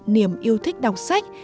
niềm yêu thích đọc sách